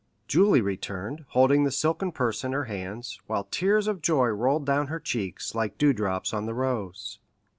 Julie returned, holding the silken purse in her hands, while tears of joy rolled down her cheeks, like dewdrops on the rose.